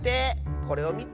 これをみて。